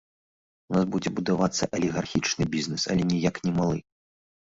У нас будзе будавацца алігархічны бізнес, але ніяк не малы.